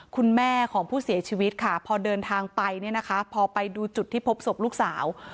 คุณแม่ของผู้เสียชีวิตค่ะพอเดินทางไปเนี่ยนะคะพอไปดูจุดที่พบศพลูกสาว